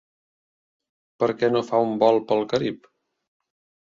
Per què no fa un vol pel Carib?